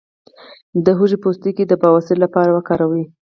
د هوږې پوستکی د بواسیر لپاره وکاروئ